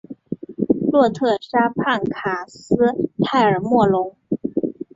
洛特河畔卡斯泰尔莫龙。